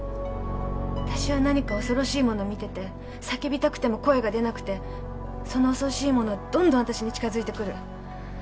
あたしは何か恐ろしいもの見てて叫びたくても声が出なくてその恐ろしいものはどんどんあたしに近づいてくる。